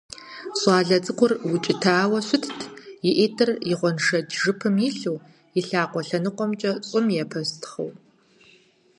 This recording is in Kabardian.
ЩӀалэ цӀыкӀур укӀытэу щытт, и ӀитӀыр и гъуэншэдж жыпым илъу, лъакъуэ лъэныкъуэмкӀэ щӀым епӀэстхъыу.